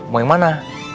mau yang mana